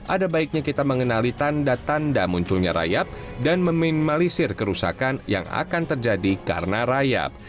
ada baiknya kita mengenali tanda tanda munculnya rayap dan meminimalisir kerusakan yang akan terjadi karena rayap